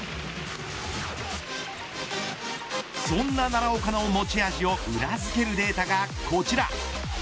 そんな奈良岡の持ち味を裏付けるデータがこちら。